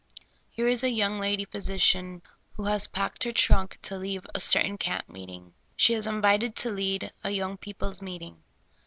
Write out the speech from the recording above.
Here is a young lady phj^si cian who has packed her trunk to leave a certain camp meeting. She is invited to lead a 3'Oung people's meeting.